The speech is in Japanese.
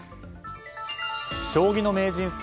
将棋の名人戦